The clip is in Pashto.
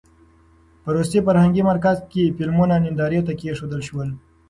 په روسي فرهنګي مرکز کې فلمونه نندارې ته کېښودل شول.